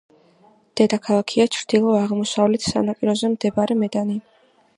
დედაქალაქია ჩრდილო–აღმოსავლეთ სანაპიროზე მდებარე მედანი.